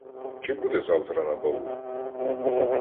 Чи буде завтра на балу?